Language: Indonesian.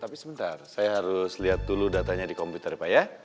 tapi sebentar saya harus lihat dulu datanya di komputer ya pak ya